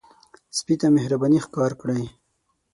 سپي ته مهرباني ښکار کړئ.